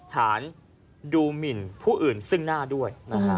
ฐานดูหมินผู้อื่นซึ่งหน้าด้วย